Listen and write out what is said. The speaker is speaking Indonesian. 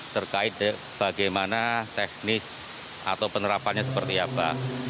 terkait bagaimana teknis atau penerapannya seperti apa